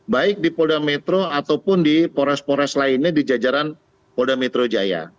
baik di polda metro ataupun di pores pores lainnya di jajaran polda metro jaya